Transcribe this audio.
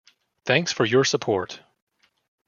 Thanks for your support!